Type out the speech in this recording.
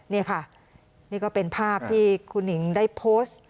นี่ค่ะนี่ก็เป็นภาพที่คุณหญิงได้โพสต์